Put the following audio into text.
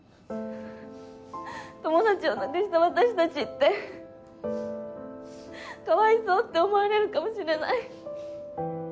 友達を亡くした私たちってかわいそうって思われるかもしれない。